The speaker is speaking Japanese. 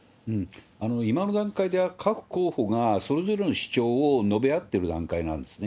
今の段階では、各候補がそれぞれの主張を述べ合ってる段階なんですね。